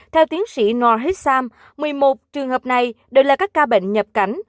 theo tiến sĩ noor hissam một mươi một trường hợp này đều là các ca bệnh nhập cảnh